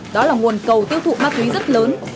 đó là nguồn cầu tiêu thụ ma túy rất lớn